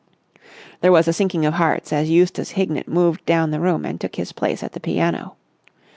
There was a sinking of hearts as Eustace Hignett moved down the room and took his place at the piano.